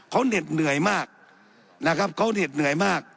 เขาเหน็ดเหนื่อยมากนะครับเขาเหน็ดเหนื่อยมาก